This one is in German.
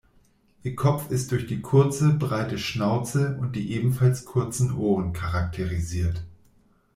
Ihr Kopf ist durch die kurze, breite Schnauze und die ebenfalls kurzen Ohren charakterisiert.